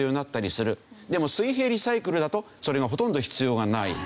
でも水平リサイクルだとそれがほとんど必要がない。